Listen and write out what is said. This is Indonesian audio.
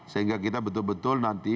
sehingga kita betul betul nanti